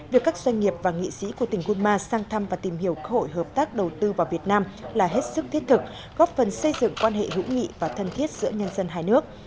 việc các doanh nghiệp và nghị sĩ của tỉnh gunma sang thăm và tìm hiểu cơ hội hợp tác đầu tư vào việt nam là hết sức thiết thực góp phần xây dựng quan hệ hữu nghị và thân thiết giữa nhân dân hai nước